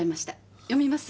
読みます？